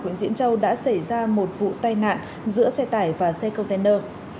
huyện diễn châu đã xảy ra một vụ tai nạn giữa xe tải và xe container